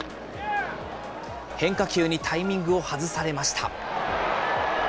変化球にタイミングを外されました。